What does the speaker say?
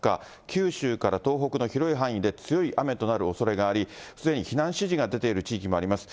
九州から東北の広い範囲で強い雨となるおそれがあり、すでに避難指示が出ている地域もあります。